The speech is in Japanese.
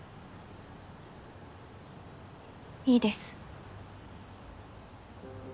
いいです。